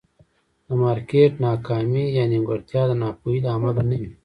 د مارکېټ ناکامي یا نیمګړتیا د ناپوهۍ له امله نه وي.